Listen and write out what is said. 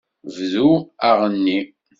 Bdu aɣenni.